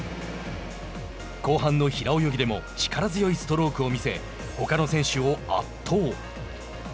後半の平泳ぎでも力強いストロークを見せほかの選手を圧倒。